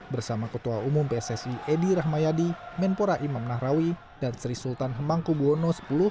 bersama ketua umum pssi edi rahmayadi menpora imam nahrawi dan sri sultan hemangkubwono x